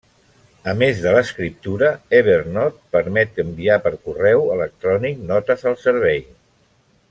A més de l’escriptura, Evernote permet enviar per correu electrònic notes al servei.